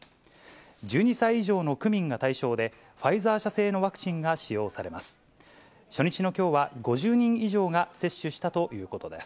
１２歳以上の区民が対象で、ファイザー社製のワクチンが使用されます。